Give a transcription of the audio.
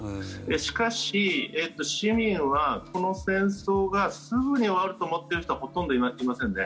しかし、市民はこの戦争がすぐに終わると思っている人はほとんどいませんね。